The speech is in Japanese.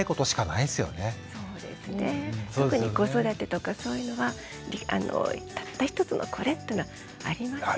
特に子育てとかそういうのはたった一つのこれっていうのはありません。